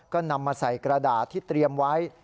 ก็นำมาใส่กระดาษที่เตรียมไว้